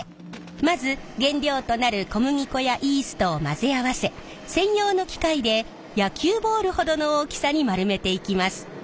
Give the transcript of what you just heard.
まず原料となる小麦粉やイーストを混ぜ合わせ専用の機械で野球ボールほどの大きさに丸めていきます。